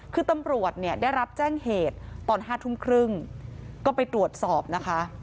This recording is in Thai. คือตำรวจเนี่ยได้รับแจ้งเหตุตอน๕ทุ่มครึ่งก็ไปตรวจสอบนะคะ